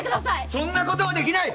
そんなことはできない！